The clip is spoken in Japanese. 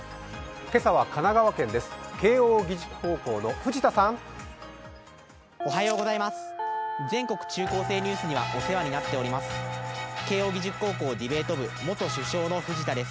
今朝は神奈川県です。